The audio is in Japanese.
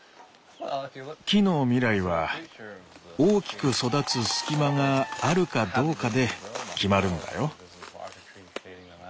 木の未来は大きく育つ隙間があるかどうかで決まるんだよ。